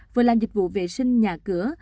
vừa làm dịch vụ vệ sinh nhà cửa